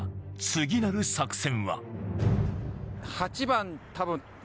次なる作戦は？